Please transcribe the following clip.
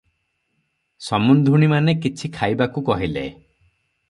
"ସମୁନ୍ଧୁଣୀମାନେ କିଛି ଖାଇବାକୁ କହିଲେ ।